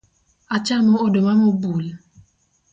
Achamo oduma mobul?